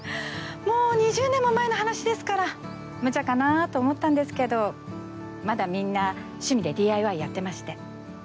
もう２０年も前の話ですからむちゃかなと思ったんですけどまだみんな趣味でＤＩＹやってまして。